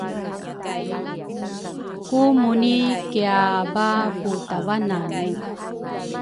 ku Muni kiaaba putavanane.